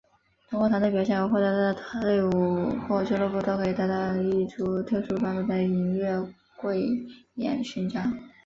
通过团队表现而获奖的队伍或俱乐部可以得到一枚特殊版本的银月桂叶徽章。